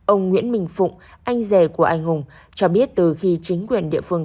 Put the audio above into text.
ông nguyễn minh phụng anh rể của anh hùng cho biết từ khi chính quyền địa phương